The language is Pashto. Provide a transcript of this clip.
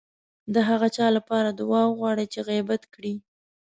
د هغه چا لپاره دعا وغواړئ چې غيبت کړی.